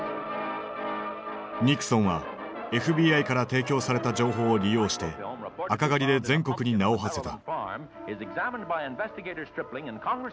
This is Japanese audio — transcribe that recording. ニクソンはＦＢＩから提供された情報を利用して赤狩りで全国に名をはせた。